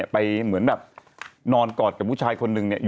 เหมือนแบบนอนกอดกับผู้ชายคนนึงเนี่ย